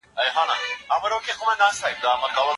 هغه په پوره زړورتيا خپل حق غوښتی و.